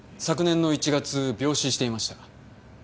昨年の１月病死していました。